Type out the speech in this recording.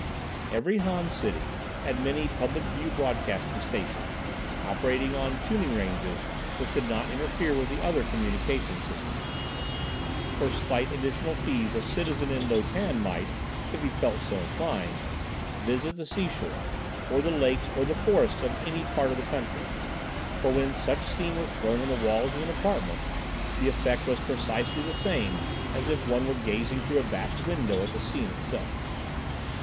Every Han city had many public view broadcasting stations, operating on tuning ranges which did not interfere with other communication systems. For slight additional fees a citizen in Lo Tan might, if he felt so inclined, "visit" the seashore, or the lakes or the forests of any part of the country, for when such scene was thrown on the walls of an apartment, the effect was precisely the same as if one were gazing through a vast window at the scene itself.